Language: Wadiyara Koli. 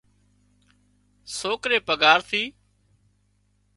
سوڪرئي پگھار ٿِي